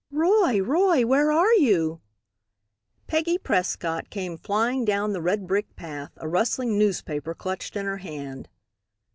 "Roy! Roy! where are you?" Peggy Prescott came flying down the red brick path, a rustling newspaper clutched in her hand.